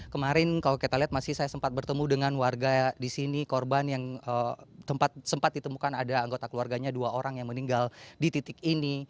kemarin kalau kita lihat masih saya sempat bertemu dengan warga di sini korban yang sempat ditemukan ada anggota keluarganya dua orang yang meninggal di titik ini